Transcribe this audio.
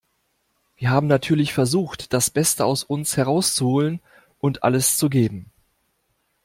Wir haben natürlich versucht, das Beste aus uns herauszuholen und alles zu geben.